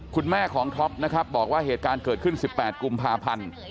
คุณแม่ของท็อปนะครับบอกว่าเหตุการณ์เกิดขึ้น๑๘กุมภาพันธ์